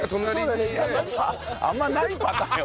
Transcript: あんまないパターンよ。